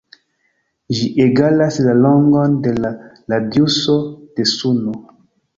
Ĝi egalas la longon de la radiuso de Suno.